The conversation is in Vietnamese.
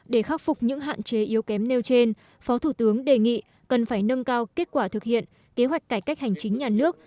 để khắc phục những hạn chế yếu kém nêu trên phó thủ tướng đề nghị cần phải nâng cao kết quả thực hiện kế hoạch cải cách hành chính nhà nước